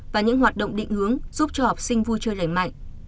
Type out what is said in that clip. và những hoạt động định hướng giúp cho học sinh vui chơi lành mạnh